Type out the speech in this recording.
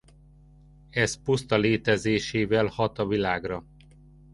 Ez puszta létezésével hat a világra.